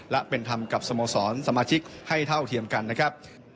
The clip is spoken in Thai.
และเป็นธรรมกับสโมสรสมาชิกให้เท่าเทียมกันนะครับ